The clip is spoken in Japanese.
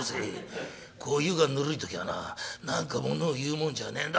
こう湯がぬるい時はな何かものを言うもんじゃねえんだ。